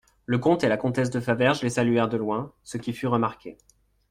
Le comte et la comtesse de Faverges les saluèrent de loin, ce qui fut remarqué.